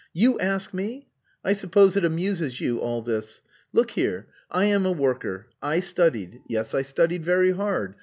"You ask me! I suppose it amuses you, all this. Look here! I am a worker. I studied. Yes, I studied very hard.